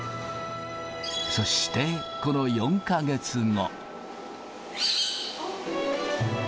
そしてこの４か月後。